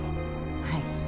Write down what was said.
はい。